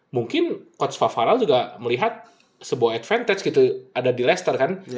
mungkin coach faral juga melihat sebuah advantage gitu ada di leicester kan